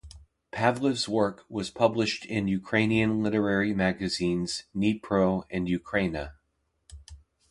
Pavliv’s work was published in Ukrainian literary magazines Dnipro and Ukraina.